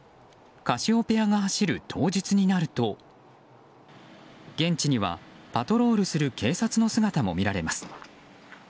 「カシオペア」が走る当日になると現地には、パトロールする警察の姿も見られます。